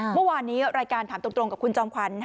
เมื่อวานนี้รายการถามตรงกับคุณจอมขวัญ